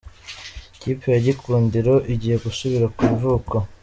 Ikipe ya Gikundiro igiye gusubira ku ivuko